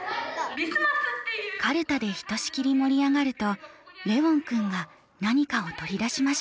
カルタでひとしきり盛り上がるとレウォン君が何かを取り出しました。